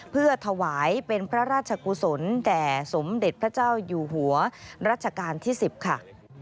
เพื่อถวายเป็นพระราชกุศลแด่สมเด็จพระเจ้าอยู่หัวรัชกาลที่๑๐ค่ะ